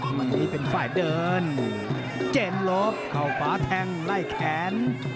วันนี้เป็นฝ่ายเดินเจนลบเข้าขวาแทงไล่แขน